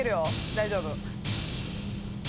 大丈夫。